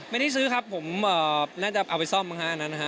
ไม่ได้ซื้อครับผมน่าจะเอาไปซ่อมบางห้านั้นนะครับ